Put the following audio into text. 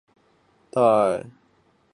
授山西太原府推官。